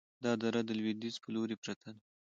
دا دره د لویدیځ په لوري پرته ده،